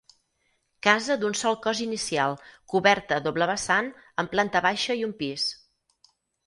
Casa d'un sol cos inicial, coberta a doble vessant, amb planta baixa i un pis.